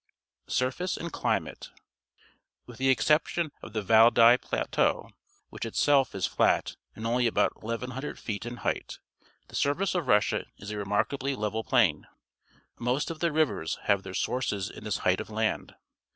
Surface and Climate. — With the exception of the Valdai Plateau, which itself is flat and only about 1,100 feet in height, the surface of Russia is a remarkably level plain. Most of the rivers have their sources in this height of land.